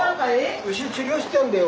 牛治療してたんだよ。